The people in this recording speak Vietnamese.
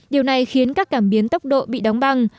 điều này khiến các cảm biến tốc độ bị đóng băng